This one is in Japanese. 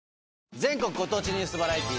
全国ご当地ニュースバラエティー。